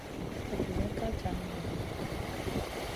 Robinena ka jan niyna goyo.